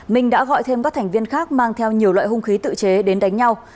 minh đã gọi thêm các thành viên khác mang theo nhiều loại hung khí tự chế đến đánh nhau